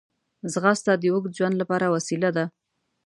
ځغاسته د اوږد ژوند لپاره وسیله ده